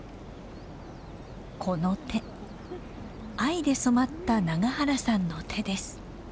この手藍で染まった永原さんの手です。